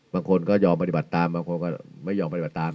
บางคนก็ยอมปฏิบัติตามบางคนก็ไม่ยอมปฏิบัติตาม